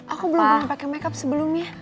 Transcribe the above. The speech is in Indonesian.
aku belum pernah pake make up sebelumnya